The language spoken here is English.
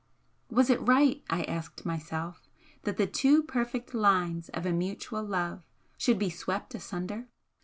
Was it right, I asked myself, that the two perfect lines of a mutual love should be swept asunder?